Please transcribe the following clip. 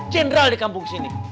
jendral dikampung sini